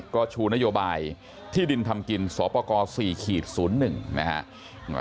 ก็ชูนโยบายที่ดินทำกินสป๔๐๑นะฮะ